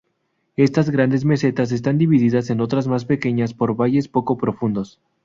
Estas grandes mesetas están divididas en otros más pequeñas por valles poco profundos.